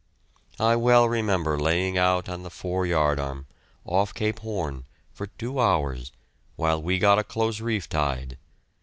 I well remember laying out on the fore yardarm, off Cape Horn, for two hours, while we got a close reef tied.